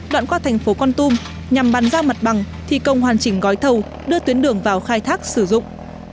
đoạn qua thành phố con tum nhằm bàn ra mặt bằng thi công hoàn chỉnh gói thầu đưa tuyến đường vào khai thác sử dụng